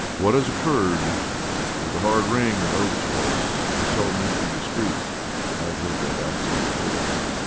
"What has occurred?" There was a hard ring in Oakes's voice. It told me to be discreet; I had heard that accent before.